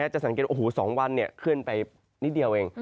จะสังเกต๒วันขึ้นไปนิดเดียวเอง